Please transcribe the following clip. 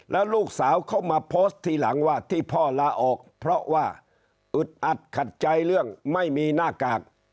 แล้วลูกสาวเขามาโพสต์ทีหลังว่าที่พ่อลาออกเพราะว่าอึดอัดขัดใจเรื่องไม่มีหน้ากาก